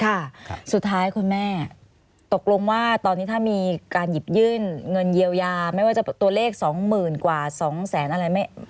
ค่ะสุดท้ายคุณแม่ตกลงว่าตอนนี้ถ้ามีการหยิบยื่นเงินเยียวยาไม่ว่าจะตัวเลขสองหมื่นกว่าสองแสนอะไรไม่